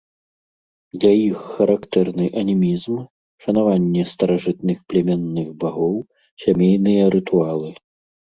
Для іх характэрны анімізм, шанаванне старажытных племянных багоў, сямейныя рытуалы.